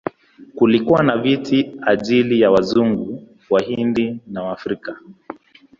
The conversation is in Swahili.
Kulikuwa na viti kwa ajili ya Wazungu, Wahindi na Waafrika.